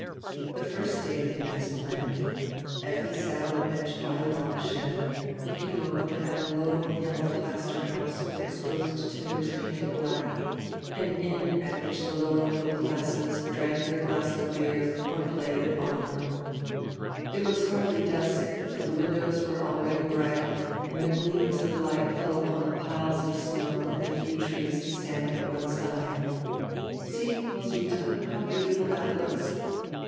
The first day diey met as planned. Effi sat on a bench by a long shed, looking over at a low yellow plaster house widi exposed timbers painted black, an inn at which die lower middle classes drank dieir glass of beer or played at ombre. It was hardly dusk, but die windows were already bright, and dieir gleams of light fell upon die piles of snow and die few trees standing at one side. "See, Roswidia, how beautiful that looks."